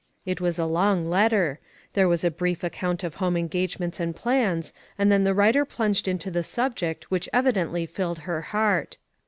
It was a long letter. There was a very brief account of home engage ments and plans, and then the writer plunged into the subject which evidently filled her heart.